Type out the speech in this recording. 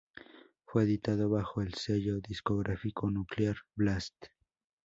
Fue editado bajo el sello discográfico Nuclear Blast.